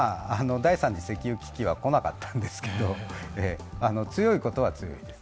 第３次石油危機は来なかったんですけど、強いことは強いです。